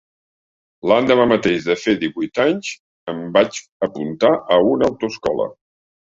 L'endemà mateix de fer divuit anys em vaig apuntar a una autoescola.